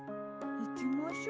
いきましょう。